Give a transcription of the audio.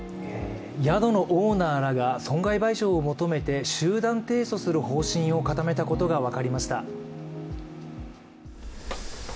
宿のオーナーらが損害賠償を求めて集団提訴する方針を固めたことが分かりました